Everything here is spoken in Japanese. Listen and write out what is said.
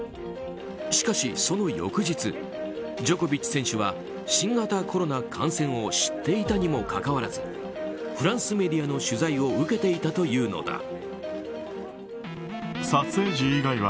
しかし、その翌日ジョコビッチ選手は新型コロナ感染を知っていたにもかかわらずフランスメディアの取材を受けていたというのだ。